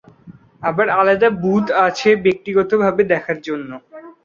আবার আলাদা বুথ আছে ব্যক্তিগতভাবে দেখার জন্য।